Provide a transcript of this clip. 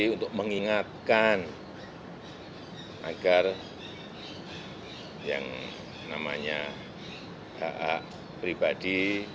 untuk mengingatkan agar yang namanya ha pribadi